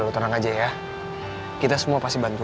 terima kasih ya be